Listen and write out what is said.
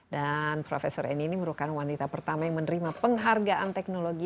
dan prof annie ini merupakan wanita pertama yang menerima penghargaan teknologi